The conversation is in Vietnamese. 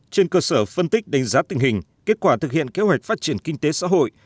trên cơ sở phân tích đánh giá tình hình kết quả thực hiện kế hoạch phát triển kinh tế xã hội